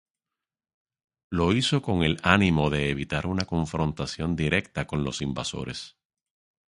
Lo hizo con el ánimo de evitar una confrontación directa con los invasores.